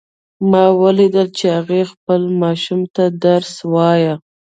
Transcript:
ما ولیدل چې هغې خپل ماشوم ته درس وایه